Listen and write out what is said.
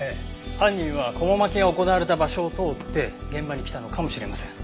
犯人はこも巻きが行われた場所を通って現場に来たのかもしれません。